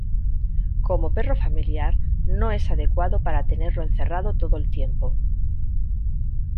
Como perro familiar no es adecuado para tenerlo encerrado todo el tiempo.